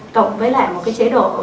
cộng với lại một cái chế độ